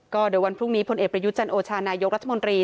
ก็เดี๋ยววันพรุ่งนี้พลเอกประยุทธ์จันโอชานายกรัฐมนตรี